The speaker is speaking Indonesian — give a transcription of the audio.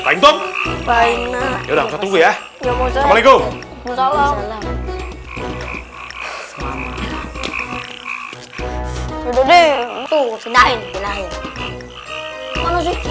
baiknya ya udah satu ya ya mohon salam